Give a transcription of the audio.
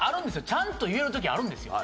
ちゃんと言える時あるんですよ。